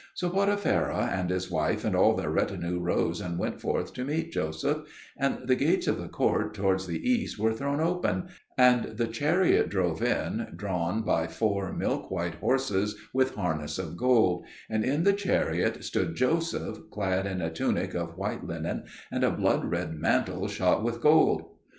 So Potipherah and his wife and all their retinue rose and went forth to meet Joseph; and the gates of the court towards the east were thrown open, and the chariot drove in, drawn by four milk white horses with harness of gold; and in the chariot stood Joseph, clad in a tunic of white linen and a blood red mantle shot with gold.